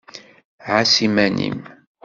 Ɛas iman-im!